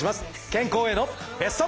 健康へのベスト。